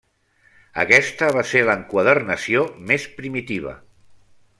Aquesta va ser l'enquadernació més primitiva.